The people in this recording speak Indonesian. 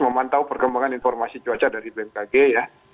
memantau perkembangan informasi cuaca dari bmkg ya